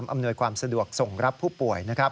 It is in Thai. อำนวยความสะดวกส่งรับผู้ป่วย